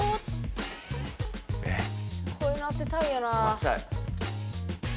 こういうの当てたいよなあ。